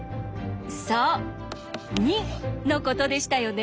そう「２」のことでしたよね。